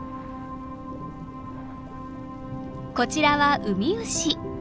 こちらはウミウシ。